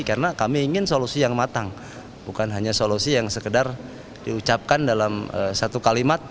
karena kami ingin solusi yang matang bukan hanya solusi yang sekedar diucapkan dalam satu kalimat